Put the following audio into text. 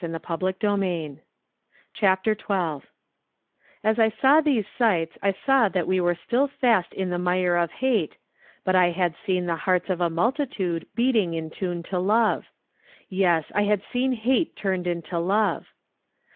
Digitized by Google CHAPTER Xn AS I saw these sights I saw that we were xV still fast in the mire of hate, but I had seen the hearts of a multitude beating in tune to love; yes, I had seen hate turned into love.